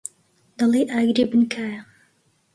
دەڵێی ئاگری بن کایە.